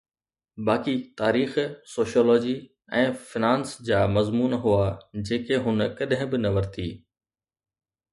باقي تاريخ، sociology ۽ finance جا مضمون هئا، جيڪي هن ڪڏهن به نه ورتي